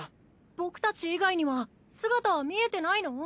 僕たち以外には姿は見えてないの？